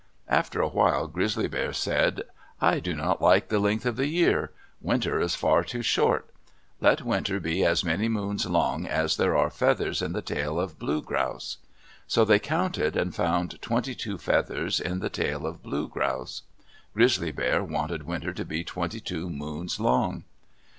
After a while, Grizzly Bear said, "I do not like the length of the year. Winter is far too short. Let winter be as many moons long as there are feathers in the tail of Blue Grouse." So they counted and found twenty two feathers in the tail of Blue Grouse. Grizzly Bear wanted winter to be twenty two moons long!